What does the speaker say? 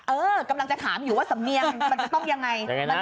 เออกำลังจะถามอยู่ว่าสำเนียงมันจะต้องยังไง